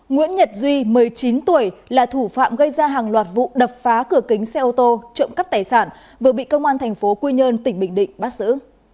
nguyễn nhật duy một mươi chín tuổi là thủ phạm gây ra hàng loạt vụ đập phá cửa kính xe ô tô trộm cắp tài sản vừa bị công an thành phố quy nhơn tỉnh bình định bắt xử